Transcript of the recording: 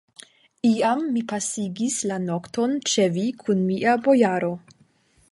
Iam mi pasigis la nokton ĉe vi kun mia bojaro.